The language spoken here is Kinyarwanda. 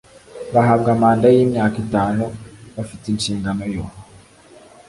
bahabwa manda y imyaka itanu bafite inshingano yo